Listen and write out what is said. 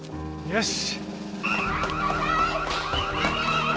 よし。